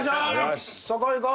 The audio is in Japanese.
そこ行こう！